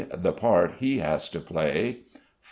The part he has to play. 4.